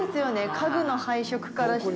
家具の配色からして。